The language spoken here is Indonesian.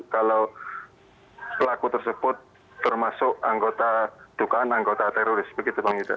kalau pelaku tersebut termasuk anggota dukaan anggota teroris begitu bang ida